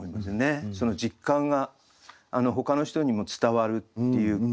その実感がほかの人にも伝わるっていうか。